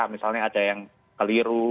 misalnya ada yang keliru